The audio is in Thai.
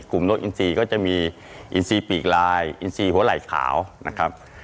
กลุ่มนกอินทรีย์ก็จะมีอินทรีย์ปีกลายอินทรีย์หัวไหล่ขาวนะครับ